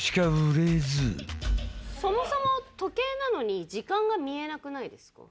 そもそも時計なのに時間が見えなくないですか？